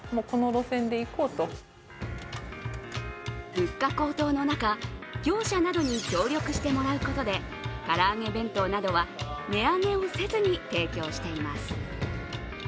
物価高騰の中、業者などに協力してもらうことで唐揚げ弁当などは、値上げをせずに提供しています。